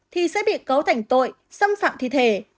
thì sẽ bị cấu thành tội xâm phạm thi thể